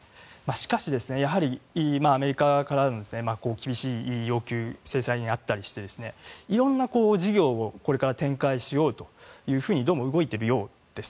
しかし、アメリカからの厳しい要求、制裁に遭ったりして色んな事業をこれから展開しようというふうにどうも動いているようです。